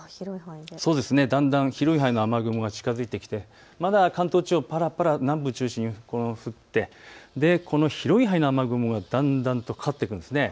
だんだん広い範囲の雨雲が近づいてきてまだ関東地方ぱらぱら南部を中心に降ってこの広い範囲の雨雲がだんだんかかってくるんです。